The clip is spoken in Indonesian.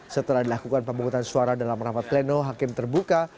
setelah dilakukan pemungutan suara dalam rapat pleno hakim terbuka